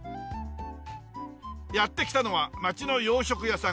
やって来たのは街の洋食屋さん